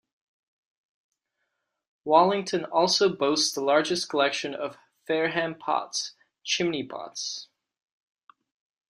Wallington also boasts the largest collection of "Fareham pots" - chimney pots.